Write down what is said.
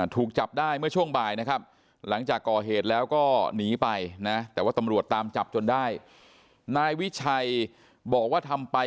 ถูกจับได้เมื่อช่วงบ่ายนะครับหลังจากก่อเหตุแล้วก็หนีไปนะแต่ว่า